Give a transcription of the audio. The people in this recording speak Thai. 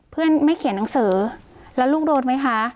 เพื่อนไม่เขียนหนังสือแล้วลูกโดนไหมคะ